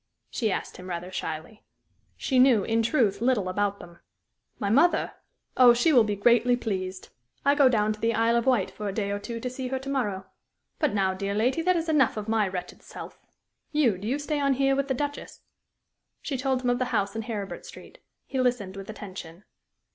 she asked him, rather shyly. She knew, in truth, little about them. "My mother? Oh, she will be greatly pleased. I go down to the Isle of Wight for a day or two to see her to morrow. But now, dear lady, that is enough of my wretched self. You do you stay on here with the Duchess?" She told him of the house in Heribert Street. He listened with attention.